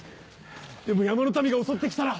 でも山の民が襲って来たら！